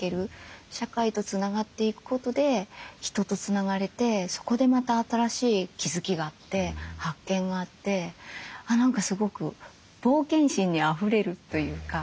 社会とつながっていくことで人とつながれてそこでまた新しい気付きがあって発見があって何かすごく冒険心にあふれるというか。